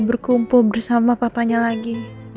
berkumpul bersama papanya lagi